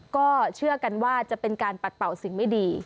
ก็เชื่อกันว่าจะเป็นการปัดเป่าสิ่งไม่ดี